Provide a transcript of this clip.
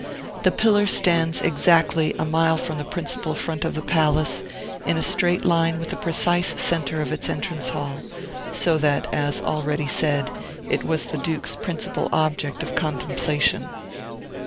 The pillar stands exactly a mile from the principal front of the palace, in a straight line with the precise centre of its entrance hall; so that, as already said, it was the Duke's principal object of contemplation.